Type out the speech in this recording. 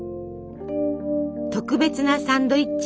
特別なサンドイッチ。